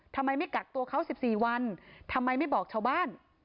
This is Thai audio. ทำไมไม่กักตัวเขา๑๔วันทำไมไม่บอกชาวบ้าน